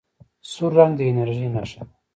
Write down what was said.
سور رنګ د انرژۍ نښه ده.